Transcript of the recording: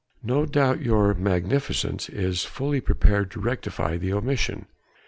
No doubt your Magnificence is fully prepared to rectify the omission."